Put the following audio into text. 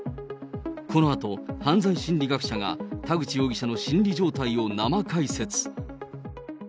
このあと、犯罪心理学者が田口容疑者の心理状態を生解説。